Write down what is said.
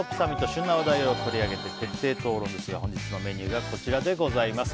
旬な話題を取り上げて徹底討論ですが本日のメニューはこちらです。